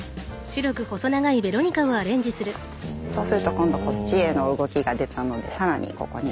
そうすると今度こっちへの動きが出たので更にここに。